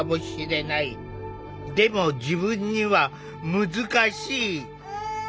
でも自分には難しい。